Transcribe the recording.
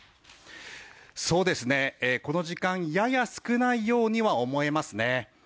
この時間やや少ないようには思えますね。